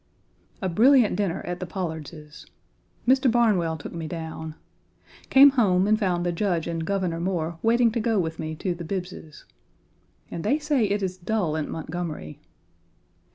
A brilliant dinner at the Pollards's. Mr. Barnwell 1 took me down. Came home and found the Judge and Governor Moore waiting to go with me to the Bibbs's. And they say it is dull in Montgomery!